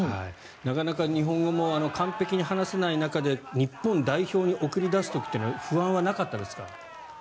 なかなか日本語も完璧に話せない中で日本代表に送り出す時というのは不安はなかったですか？